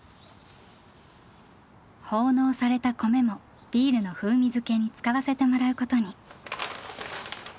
奉納された米もビールの風味付けに使わせてもらうことに。